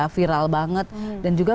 viral banget dan juga